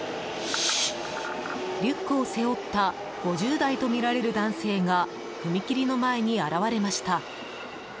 リュックを背負った５０代とみられる男性が踏切の前に現れました。